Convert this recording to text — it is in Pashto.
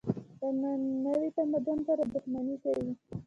له نوي تمدن سره دښمني کوي.